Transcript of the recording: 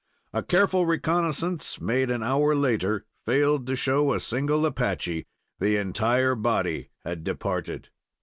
A careful reconnaisance, made an hour later, failed to show a single Apache. The entire body had departed.